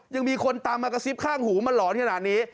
ยังมีคนตามมากระซิบข้างหูมันหลอนขนาดนี้